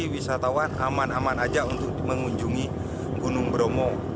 wisatawan aman aman aja untuk mengunjungi gunung bromo